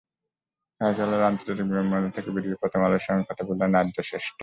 শাহজালাল আন্তর্জাতিক বিমানবন্দর থেকে বেরিয়ে প্রথম আলোর সঙ্গে কথা বললেন আর্য শ্রেষ্ঠ।